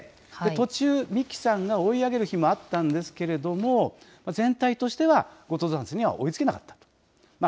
途中、三木さんが追い上げる日もあったんですけれども、全体としては、後藤田さんには追いつけなかった。